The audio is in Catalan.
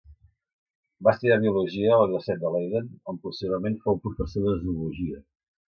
Va estudiar biologia a la Universitat de Leiden, on posteriorment fou professor de zoologia.